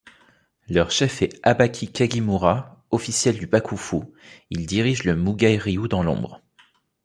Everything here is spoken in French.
Leur chef est Habaki Kagimura, officiel du Bakufu, il dirige le Mugaï-Ryu dans l'ombre.